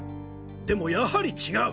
でもやはり違う。